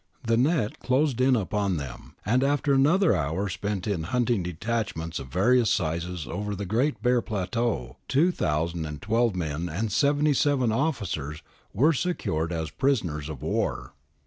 The net closed in upon them, and after another hour spent in hunting detachments of various sizes over the great bare plateau, 2012 men and ^^ officers were secured as prisoners of war.